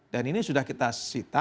dan ini sudah kita sita